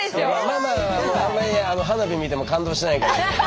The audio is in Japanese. ママはあんまり花火見ても感動しないからね